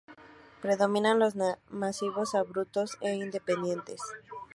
Predominan los macizos abruptos e independientes.